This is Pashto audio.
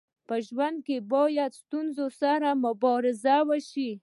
په ژوند کي باید د ستونزو سره مبارزه وسي.